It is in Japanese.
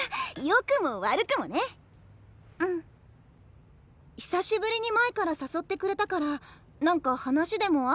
久しぶりに舞から誘ってくれたから何か話でもあったのかなって。